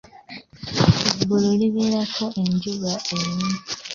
Eggulu libeerako enjuba emu.